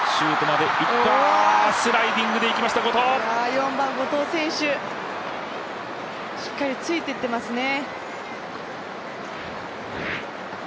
４番・後藤選手、しっかりついていっていますね。